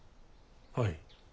はい。